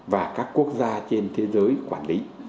và các quốc gia trên thế giới quản lý